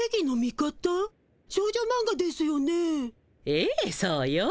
ええそうよ。